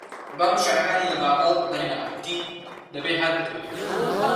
بابم شیعرەکانی لە باخەڵ دەرێنا، گوتی: دەبێ هەر بتەوێ